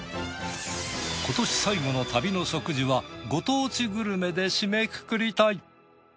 今年最後の旅の食事はご当地グルメで締めくくりたい。